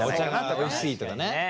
お茶がおいしいとかね。